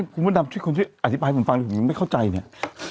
ขอบความบันดับที่คนที่อธิบายกินผมฟังถึงว่าไม่เข้าใจเนี่ย